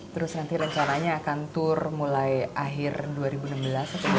terus nanti rencananya akan tour mulai akhir dua ribu enam belas atau dua ribu tujuh belas